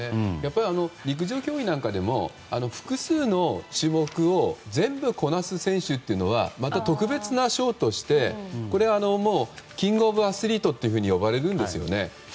陸上競技なんかでも複数の種目を全部こなす選手というのはまた特別な賞としてこれはもうキングオブアスリートと呼ばれるんですよね。